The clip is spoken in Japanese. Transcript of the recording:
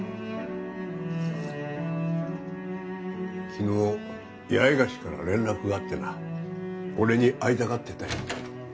昨日八重樫から連絡があってな俺に会いたがってたよ